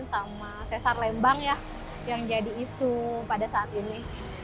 sama sesar lembang ya yang jadi isu pada saat ini